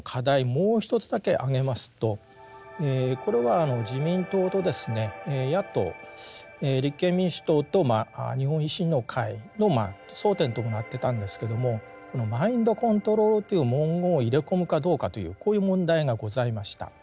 もう一つだけ挙げますとこれは自民党とですね野党立憲民主党と日本維新の会の争点ともなってたんですけどもこの「マインドコントロール」という文言を入れ込むかどうかというこういう問題がございました。